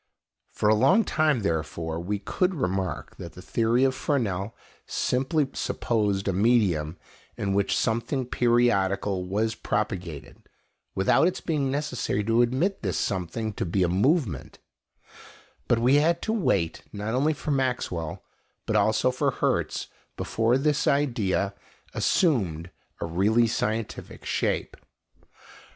For a long time, therefore, we could remark that the theory of Fresnel simply supposed a medium in which something periodical was propagated, without its being necessary to admit this something to be a movement; but we had to wait not only for Maxwell, but also for Hertz, before this idea assumed a really scientific shape.